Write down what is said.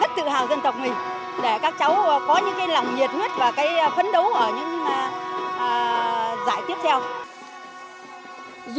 rất tự hào dân tộc mình để các cháu có những lòng nhiệt huyết và phấn đấu ở những giải tiếp theo